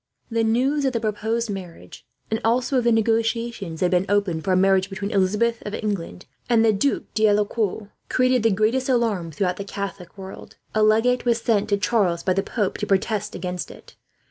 The news of the proposed marriage, and also of the negotiations that had been opened for a marriage between Elizabeth of England and the Duc d'Alencon, created the greatest alarm throughout the Catholic world. A legate was sent to Charles by the pope, to protest against it.